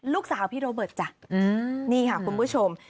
พี่โรเบิร์ตจ้ะนี่ค่ะคุณผู้ชม